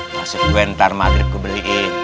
masuk gue ntar maghrib gue beliin